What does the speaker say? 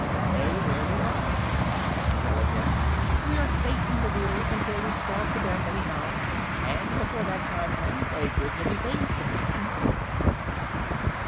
"Stay where we are," advised the yellow hen. "We are safe from the Wheelers until we starve to death, anyhow; and before that time comes a good many things can happen."